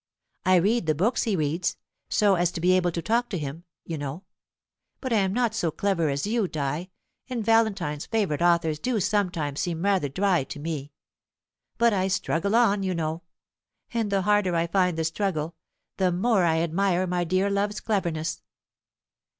I read the books he reads, so as to be able to talk to him, you know; but I am not so clever as you, Di, and Valentine's favourite authors do sometimes seem rather dry to me. But I struggle on, you know; and the harder I find the struggle, the more I admire my dear love's cleverness.